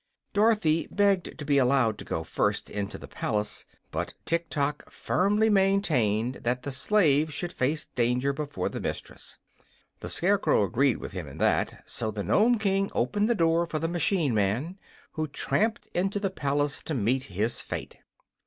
Dorothy begged to be allowed to go first into the palace, but Tiktok firmly maintained that the slave should face danger before the mistress. The Scarecrow agreed with him in that, so the Nome King opened the door for the machine man, who tramped into the palace to meet his fate.